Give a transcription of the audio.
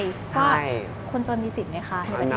ก็คนจนมีสิทธิ์ไหมคะ